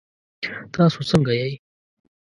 تاسو څنګه یئ؟